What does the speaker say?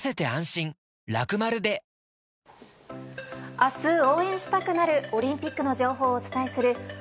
明日応援したくなるオリンピックの情報をお伝えする「＃